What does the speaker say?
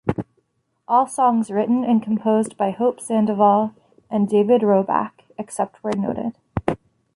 All songs written and composed by Hope Sandoval and David Roback, except where noted.